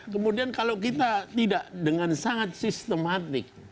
kemudian kalau kita tidak dengan sangat sistematik